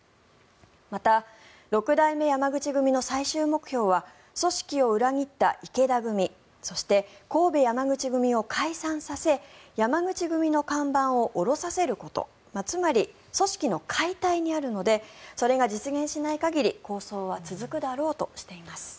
また六代目山口組の最終目標は組織を裏切った池田組そして神戸山口組を解散させ山口組の看板を下ろさせることつまり組織の解体にあるのでそれが実現しない限り抗争は続くだろうとしています。